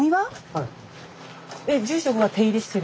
はい。